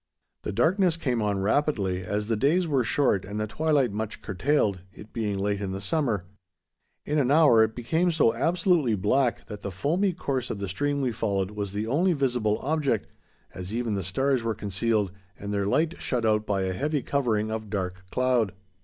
The darkness came on rapidly, as the days were short and the twilight much curtailed, it being late in the summer. In an hour it became so absolutely black that the foamy course of the stream we followed was the only visible object, as even the stars were concealed and their light shut out by a heavy covering of dark cloud.